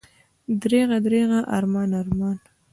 دریغه، دریغه، ارمان، ارمان!